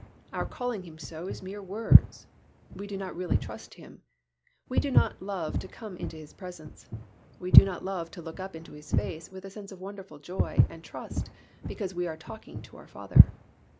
Our calling Him so is mere words. We do not really trust Him. We do not love to come into His presence; we do not love to look up into His face with a sense of wonderful joy and trust because we are talking to our Father.